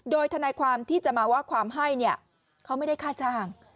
โดยทนายความที่จะมาว่าความให้เนี่ยเขาไม่ได้ค่าจ้าง